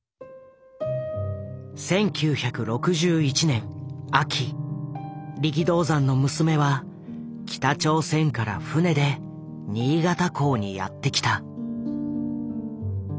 １９６１年秋力道山の娘は北朝鮮から船で新潟港にやって来た。